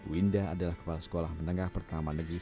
winda adalah kepala sekolah menengah pertama negeri satu mempura